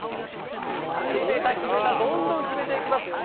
決めた、決めた、どんどん決めていきます。